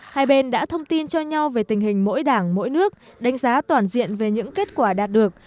hai bên đã thông tin cho nhau về tình hình mỗi đảng mỗi nước đánh giá toàn diện về những kết quả đạt được